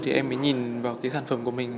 thì em mới nhìn vào cái sản phẩm của mình